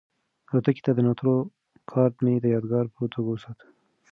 الوتکې ته د ننوتلو کارډ مې د یادګار په توګه وساته.